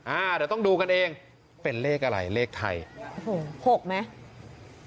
อ่าเดี๋ยวต้องดูกันเองเป็นเลขอะไรเลขไทยโอ้โหหกไหม